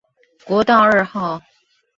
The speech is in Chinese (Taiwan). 國道二號